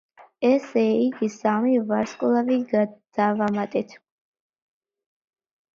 ესე იგი სამი ვარსკვლავი დავამატეთ.